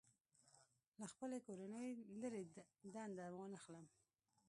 له خپلې کورنۍ لرې دنده وانخلم.